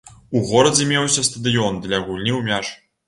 У горадзе меўся стадыён для гульні ў мяч.